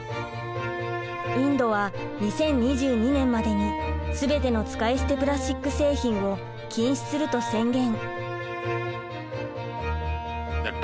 インドは２０２２年までに全ての使い捨てプラスチック製品を禁止すると宣言。